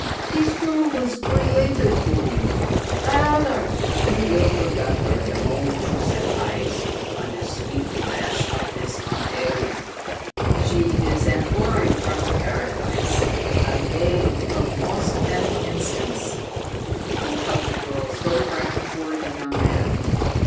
"This girl was created for you. That other you will forget her the moment you set eyes on the sweet flesh of this Athalia. She is an houri from Paradise a maiden of musk and incense." He held the girl's photograph toward the young man.